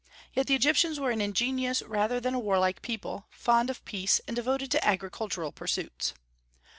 Yet the Egyptians were an ingenious rather than a warlike people, fond of peace, and devoted to agricultural pursuits.